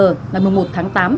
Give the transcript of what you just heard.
là một mươi một tháng tám